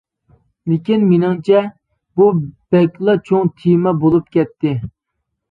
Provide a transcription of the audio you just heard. لېكىن مېنىڭچە، بۇ بەكلا چوڭ تېما بولۇپ كەتتى.